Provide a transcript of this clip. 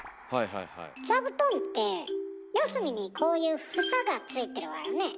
座布団って四隅にこういう房がついてるわよね。